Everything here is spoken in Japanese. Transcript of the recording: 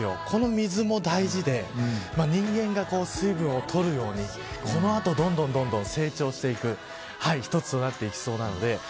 この水も大事で人間が水分をとるようにこの後、どんどんどんどん成長していく一つとなってきそうです。